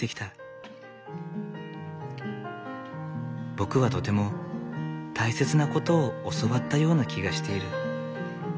僕はとても大切なことを教わったような気がしている。